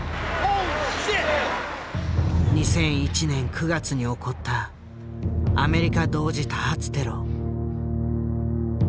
２００１年９月に起こったアメリカ同時多発テロ。